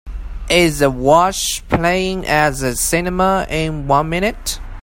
Is The Wash playing at the cinema in one minute